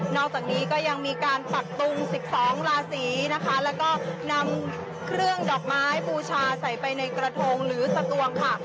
อกจากนี้ก็ยังมีการปักตุง๑๒ราศีนะคะแล้วก็นำเครื่องดอกไม้บูชาใส่ไปในกระทงหรือสตวงค่ะ